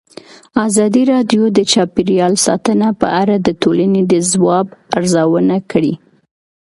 ازادي راډیو د چاپیریال ساتنه په اړه د ټولنې د ځواب ارزونه کړې.